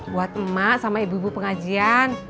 buat emak sama ibu ibu pengajian